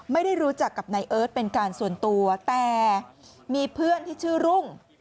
ไม่ได้รู้จักกับนายเอิร์ทเป็นการส่วนตัวแต่มีเพื่อนที่ชื่อรุ่ง